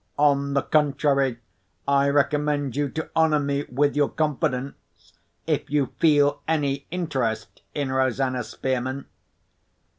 "On the contrary, I recommend you to honour me with your confidence, if you feel any interest in Rosanna Spearman."